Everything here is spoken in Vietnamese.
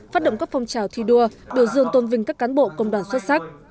phát động các phong trào thi đua biểu dương tôn vinh các cán bộ công đoàn xuất sắc